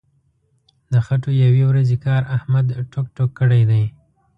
د خټو یوې ورځې کار احمد ټوک ټوک کړی دی.